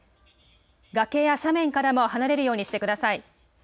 崖や斜面からも離れるようにしてください。